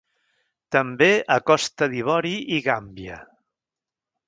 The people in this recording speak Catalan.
També a Costa d'Ivori i Gàmbia.